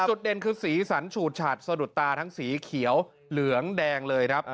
จุดเด่นคือสีสันฉูดฉัดสะดุดตาทั้งสีเขียวเหลืองแดงเลยครับ